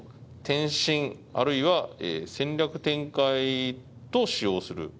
転進あるいは戦略展開と使用する。